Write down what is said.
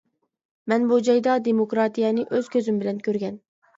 مەن بۇ جايدا دېموكراتىيەنى ئۆز كۆزۈم بىلەن كۆرگەن.